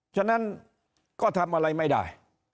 ฉะนั้นก็ทำอะไรไม่ได้